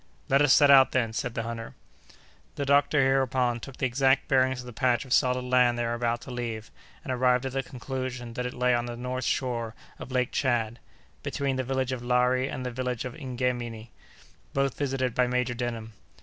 "Let us set out, then!" said the hunter. The doctor hereupon took the exact bearings of the patch of solid land they were about to leave, and arrived at the conclusion that it lay on the north shore of Lake Tchad, between the village of Lari and the village of Ingemini, both visited by Major Denham.